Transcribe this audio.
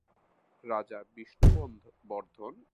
রাজা বিষ্ণুবর্ধন এই মন্দিরের প্রতিষ্ঠাতা হিসেবে পরিচিত।